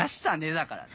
だからな。